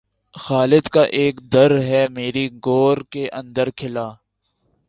خلد کا اک در ہے میری گور کے اندر کھلا